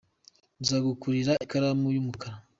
Nzakugurira ikaramu y'umukara.